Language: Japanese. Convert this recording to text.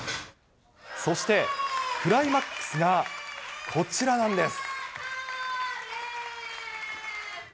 そして、クライマックスがこちらなんです。